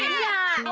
tuh lihat tuh